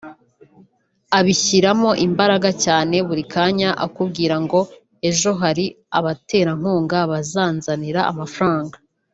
abishyiramo imbaraga cyane buri kanya akubwira ngo ejo hari abaterankunga bazanzanira amafaranga